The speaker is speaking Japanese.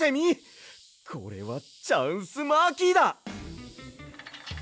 これはチャンスマーキーだ！